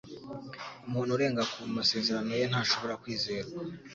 Umuntu urenga ku masezerano ye ntashobora kwizerwa.